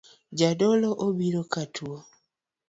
Jadolo obiro katuo